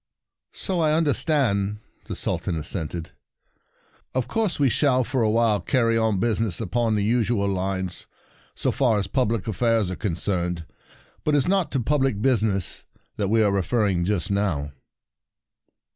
"So I understand," the Sul tan assented. " Of course we shall for a while carry on busi ness upon the usual lines, so far as public affairs are con cerned. But it is not to public business that we are referring just now."